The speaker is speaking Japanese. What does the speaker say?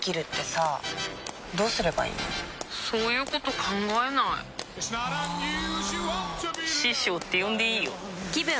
そういうこと考えないあ師匠って呼んでいいよぷ